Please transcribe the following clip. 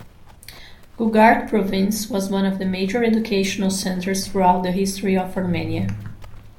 Gugark province was one of the major educational centres throughout the history of Armenia.